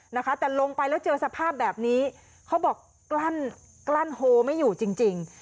นะคะแต่ลงไปแล้วเจอสภาพแบบนี้เค้าบอกกลั้นโหไม่อยู่จริง